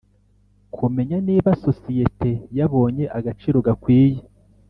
Kumenya niba sosiyete yabonye agaciro gakwiye.